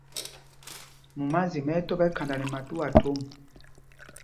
Mumázim ɛ̌ tɔ́ ɓɛ khanda nɛ matuá thom.